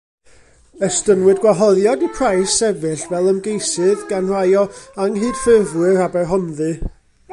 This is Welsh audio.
Estynnwyd gwahoddiad i Price sefyll fel ymgeisydd gan rai o anghydffurfwyr Aberhonddu.